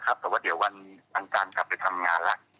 ก็วันนาทีจำเป็นอันสรรค์ไปทำงานละ